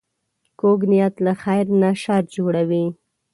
کوږ نیت له خیر نه شر جوړوي